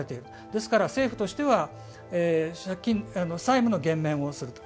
ですから、政府としては債務の減免をすると。